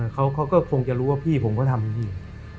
เขาก็คงจะรู้ว่าพี่ผมก็ทำอย่างนี้